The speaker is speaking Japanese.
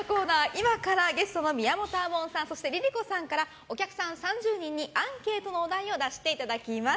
今からゲストの宮本亞門さんそしてＬｉＬｉＣｏさんからお客さん３０人にアンケートのお題を出していただきます。